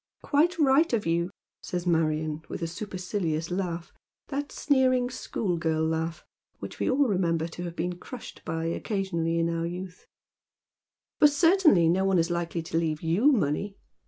" Quite right of you," says Marion, with a supercilious laugh — that sneering school girl laugh, which we all remember to have been crushed by occasionally in our youth, —" for certainly no one is likely to leave you money."